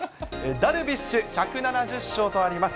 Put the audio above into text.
ダルビッシュ、１７０勝とあります。